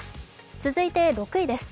続いて６位です。